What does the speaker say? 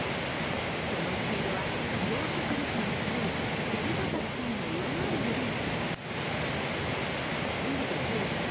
そのスピードは増殖力の強いデルタ株さえも上回るほどに。